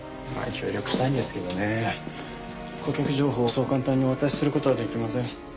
協力したいんですけどね顧客情報をそう簡単にお渡しする事はできません。